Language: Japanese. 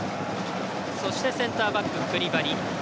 そして、センターバッククリバリ。